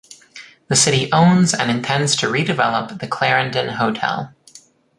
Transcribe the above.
The city owns and intends to redevelop the Clarendon Hotel.